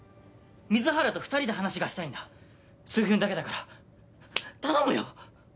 水原と２人で話がしたいんだ数分だけだから頼むよ！